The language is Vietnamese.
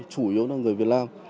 chủ yếu là người việt nam